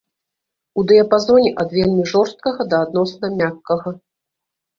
У дыяпазоне ад вельмі жорсткага да адносна мяккага.